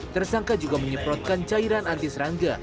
tersangka juga menyeprotkan cairan antiselangga